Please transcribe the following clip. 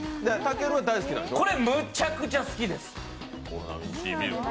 これ、めちゃくちゃ好きです。